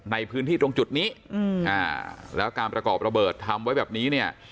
ในพื้นที่ตรงจุดนี้แล้วการประกอบระเบิดทำไว้แบบนี้เนี่ย